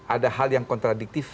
ada hal yang kontradiktif